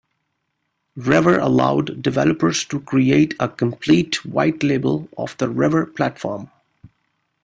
Revver allowed developers to create a complete white label of the Revver platform.